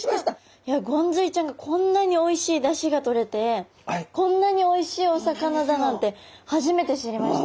いやゴンズイちゃんがこんなにおいしいだしがとれてこんなにおいしいお魚だなんて初めて知りました。